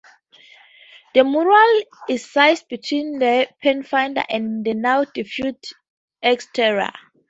The Murano is sized between the Pathfinder and the now defunct Xterra.